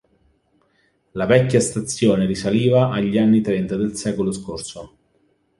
La vecchia stazione risaliva agli anni trenta del secolo scorso.